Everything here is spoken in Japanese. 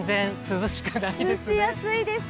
蒸し暑いです。